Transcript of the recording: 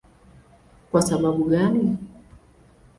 Kwa sababu gani?